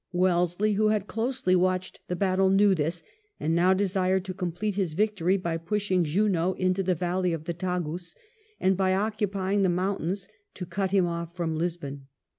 Wellesley, who had closely watched the battle, knew this, and now desired to complete his victory by pushing Junot into the valley of the Tagus, and by occupying the mountains to cut him off from Lisbon.